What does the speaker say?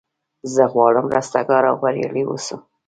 زه غواړم رستګار او بریالی اوسم.